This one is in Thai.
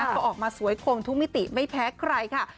ก็ออกมาสวยคงทุกมิติไม่แพ้ใครค่ะ